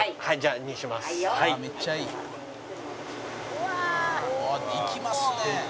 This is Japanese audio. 「あっいきますね」